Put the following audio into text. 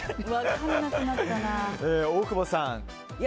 大久保さん。